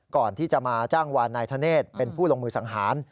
ก่อนที่จะมาจ้างวานนายธเนธเป็นผู้ลงมือสังหาร